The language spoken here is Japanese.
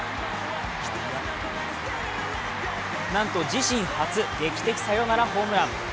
なんと自身初、劇的サヨナラホームラン。